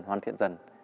hoàn thiện dần